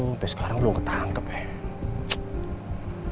sampai sekarang belum ketangkep ya